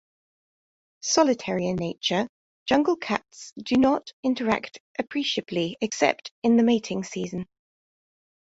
Solitary in nature, jungle cats do not interact appreciably except in the mating season.